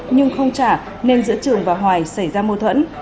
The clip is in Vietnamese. nhưng không trả nên giữa trường và hoài xảy ra mâu thuẫn